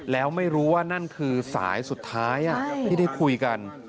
แล้วไม่รู้ว่านั่นคือสายสุดท้ายที่ได้คุยกัน